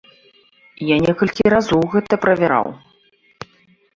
Я некалькі разоў гэта правяраў.